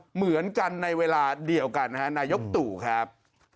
เหมือนกันในเวลาเดียวกันนะฮะนายกตู่ครับ